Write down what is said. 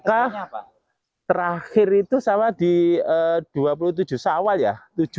mekah terakhir itu sama di dua puluh tujuh saat awal ya